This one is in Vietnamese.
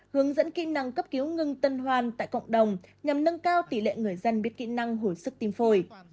hướng dẫn kỹ năng cấp cứu ngừng tần hoàn tại cộng đồng nhằm nâng cao tỷ lệ người dân biết kỹ năng hồi sức tiêm phổi